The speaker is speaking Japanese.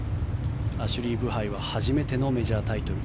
アシュリー・ブハイは初めてのメジャータイトル。